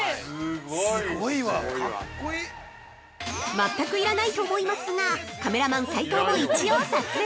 ◆全く要らないと思いますがカメラマン斉藤も一応撮影！